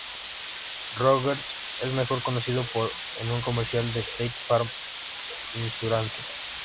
Rogers es mejor conocido por en un comercial de State Farm Insurance.